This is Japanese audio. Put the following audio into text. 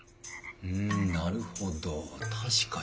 んなるほど確かに。